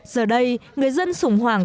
giờ đây người dân sủng hoảng